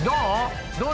どう？